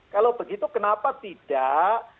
kalau begitu kenapa tidak